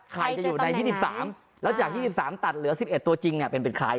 ใครจะอยู่ใน๒๓แล้วจาก๒๓ตัดเหลือ๑๑ตัวจริงเป็นใคร